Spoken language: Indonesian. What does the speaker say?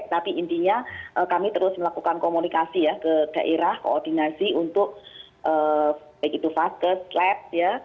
tapi intinya kami terus melakukan komunikasi ya ke daerah koordinasi untuk baik itu vakes lab ya